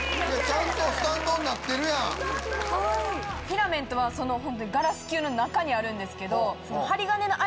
フィラメントはそのホントにガラス球の中にあるんですけど。